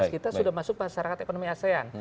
kita sudah masuk masyarakat ekonomi asean